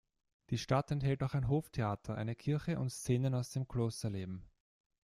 Die Stadt enthält auch ein Hoftheater, eine Kirche und Szenen aus dem Klosterleben.